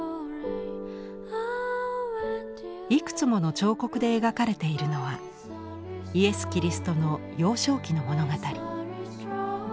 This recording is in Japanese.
いくつもの彫刻で描かれているのはイエス・キリストの幼少期の物語。